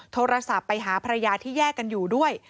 โทรศัพท์ไปหาภรรยาที่แยกกันอยู่ด้วย